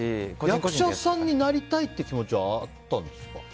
役者さんになりたいって気持ちはあったんですか？